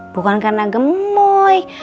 bukan karena gemoy